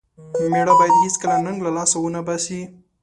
مېړه بايد هيڅکله ننګ له لاسه و نه باسي.